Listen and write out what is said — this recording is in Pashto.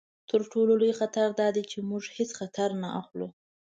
تر ټولو لوی خطر دا دی چې موږ هیڅ خطر نه اخلو.